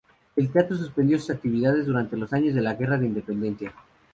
El teatro suspendió sus actividades durante los años de la guerra de independencia.